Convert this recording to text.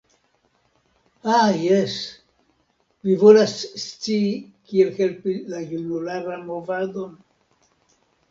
Ha, jes, vi volas scii kiel helpi la junularan movadon.